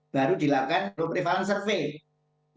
baru dilakukan sirup sirupan survei